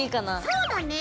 そうだね。